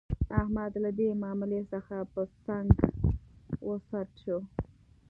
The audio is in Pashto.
احمد له دې ماملې څخه په څنګ و څټ شو.